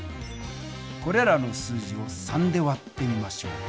これらの数字を３で割ってみましょう。